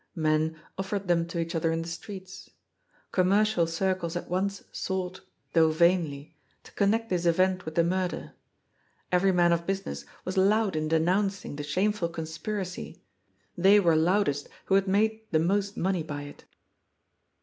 Men offered them to each other in the streets. Commercial cir cles at once sought, though vainly, to connect this event with the murder. Every man of business was loud in de KOOPSTAD CACKLES. 431 nouncing the shameful conspiracy ; they were loudest who had made most money by it.